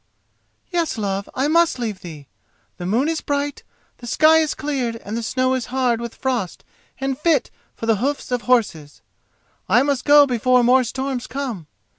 "Yes, love, I must leave thee. The moon is bright, the sky has cleared, and the snow is hard with frost and fit for the hoofs of horses. I must go before more storms come.